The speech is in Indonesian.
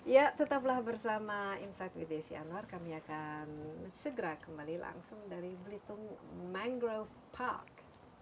ya tetaplah bersama insight with desi anwar kami akan segera kembali langsung dari belitung mangrove park